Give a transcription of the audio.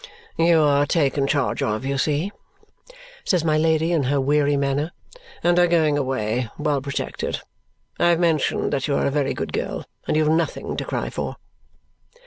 "You are taken charge of, you see," says my Lady in her weary manner, "and are going away well protected. I have mentioned that you are a very good girl, and you have nothing to cry for."